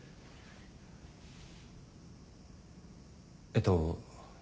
えっと。